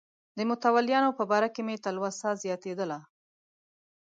د متولیانو په باره کې مې تلوسه زیاتېدله.